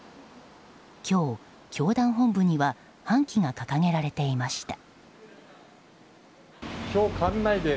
今日、教団本部には半旗が掲げられていました。